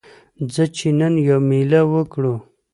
ځه چې نن یوه میله وکړو